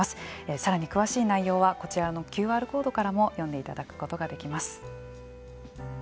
さらに詳しい内容はこちらのＱＲコードからも読んでいただくことができます。